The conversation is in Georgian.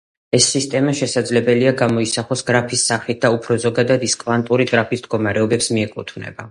ეს სისტემა შესაძლებელია გამოისახოს გრაფის სახით და უფრო ზოგადად ის კვანტური გრაფის მდგომარეობებს მიეკუთვნება.